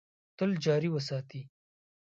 تل جاري وساتي .